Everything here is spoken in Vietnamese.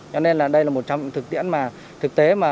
cho nên là đây là một trong những thực tiễn mà thực tế mà